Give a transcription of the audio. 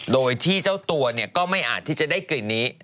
โดยที่เจ้าตัวก็ไม่อาจที่จะได้กลิ่นนี้